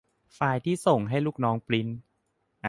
ไฟล์ที่ส่งให้ลูกน้องปริ้นท์